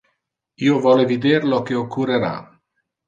Io vole vider lo que occurrera.